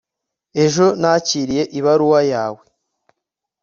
ejo nakiriye ibaruwa yawe